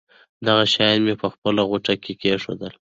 دغه شیان مې په خپله غوټه کې کېښودل.